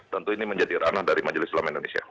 tentu ini menjadi ranah dari majelis ulama indonesia